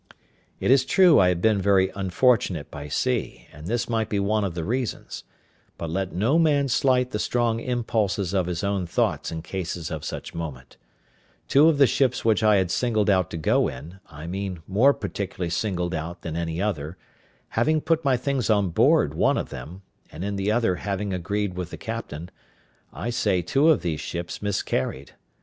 It is true I had been very unfortunate by sea, and this might be one of the reasons; but let no man slight the strong impulses of his own thoughts in cases of such moment: two of the ships which I had singled out to go in, I mean more particularly singled out than any other, having put my things on board one of them, and in the other having agreed with the captain; I say two of these ships miscarried.